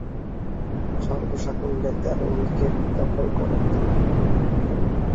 সর্বসাকুল্যে তেরো উইকেট দখল করেন তিনি।